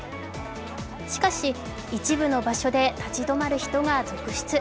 しかし一部の場所で立ち止まる人が続出。